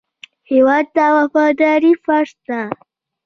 هېواد ته وفاداري فرض ده